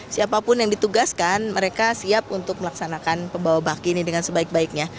siapapun yang ditugaskan mereka siap untuk melaksanakan pembawa baki ini dengan sebaik baiknya